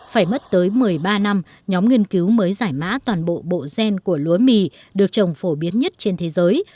phải mất tới một mươi ba năm nhóm nghiên cứu mới giải mã toàn bộ bộ gen của lúa mì được trồng phổ biến nhất trên thế giới